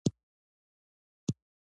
د منشي صاحب د وفات غم د دوي کشر ورور